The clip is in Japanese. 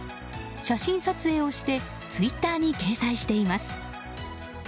写真撮影をしてツイッターに掲載しています。